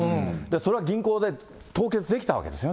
それは銀行で凍結できたわけです